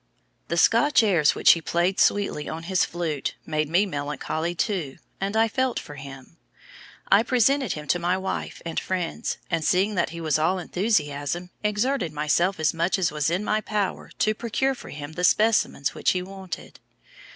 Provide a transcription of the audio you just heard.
The Scotch airs which he played sweetly on his flute made me melancholy, too, and I felt for him. I presented him to my wife and friends, and seeing that he was all enthusiasm, exerted myself as much as was in my power to procure for him the specimens which he wanted.